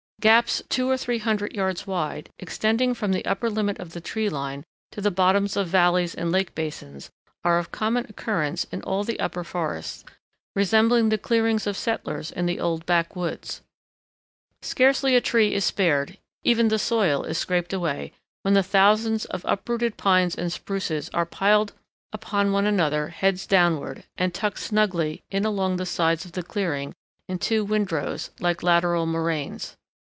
Gaps two or three hundred yards wide, extending from the upper limit of the tree line to the bottoms of valleys and lake basins, are of common occurrence in all the upper forests, resembling the clearings of settlers in the old backwoods. Scarcely a tree is spared, even the soil is scraped away, while the thousands of uprooted pines and spruces are piled upon one another heads downward, and tucked snugly in along the sides of the clearing in two windrows, like lateral moraines.